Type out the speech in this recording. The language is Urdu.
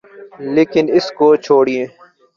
لیکن اس کو چھوڑئیے۔